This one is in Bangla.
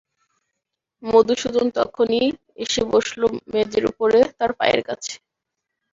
মধুসূদন তখনই এসে বসল মেজের উপরে তার পায়ের কাছে।